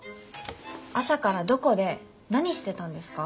朝からどこで何してたんですか？